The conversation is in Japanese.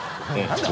はい。